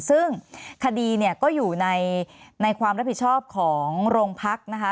ซึ่งคดีเนี่ยก็อยู่ในความรับผิดชอบของโรงพักนะคะ